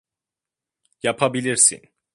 Yapabilirsin!